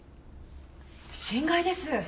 心外です。